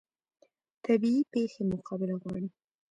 طبیعي پیښې مقابله غواړي